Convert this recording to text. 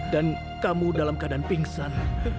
dan kamu dalam keadaan pingsan